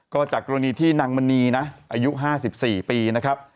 ก็จากกรณีที่นางมณีนะอายุ๕๔ปีนะครับ